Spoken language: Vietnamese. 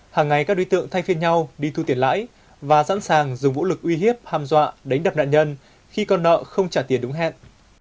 hàng ngày các đối tượng thay phiên nhau đi thu tiền lãi và sẵn sàng dùng vũ lực uy hiếp hàm dọa đánh đập nạn nhân khi con nợ không trả tiền đúng hẹn